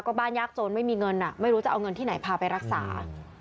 ก็บ้านยากโจรไม่มีเงินไม่รู้จะเอาเงินที่ไหนพาไปรักษา